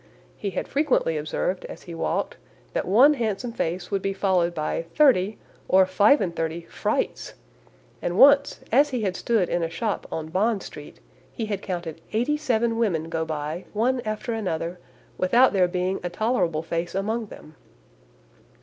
He had frequently observed, as he walked, that one handsome face would be followed by thirty, or five and thirty frights; and once, as he had stood in a shop on Bond Street, he had counted eighty seven women go by, one after another, without there being a tolerable face among them.